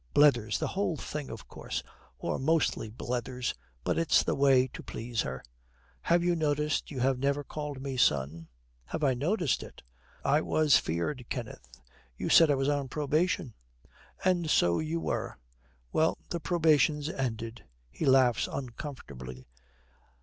Blethers, the whole thing, of course or mostly blethers. But it's the way to please her. 'Have you noticed you have never called me son?' 'Have I noticed it! I was feared, Kenneth. You said I was on probation.' 'And so you were. Well, the probation's ended.' He laughs uncomfortably.